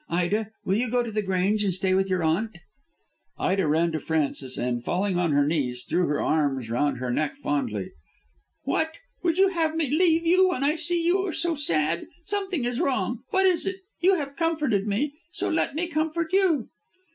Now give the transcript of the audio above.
Ida, will you go to The Grange and stay with your aunt?" Ida ran to Frances and, falling on her knees, threw her arms round her neck fondly. "What! Would you have me leave you when I see you so sad? Something is wrong? What is it? You have comforted me, so let me comfort you."